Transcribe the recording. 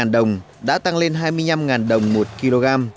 một mươi năm đồng đã tăng lên hai mươi năm đồng một kg